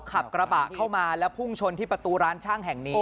ขับกระบะเข้ามาแล้วพุ่งชนที่ประตูร้านช่างแห่งนี้